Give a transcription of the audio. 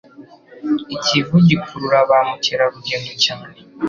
ikivu gikurura ba mukerarugendo cyane